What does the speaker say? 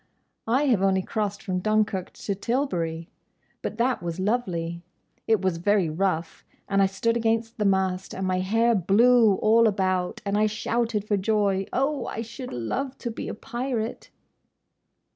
"I have only crossed from Dunkerque to Tilbury. But that was lovely! It was very rough; and I stood against the mast, and my hair blew all about, and I shouted for joy!—Oh! I should love to be a pirate!"